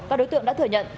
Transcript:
các đối tượng đã thừa nhận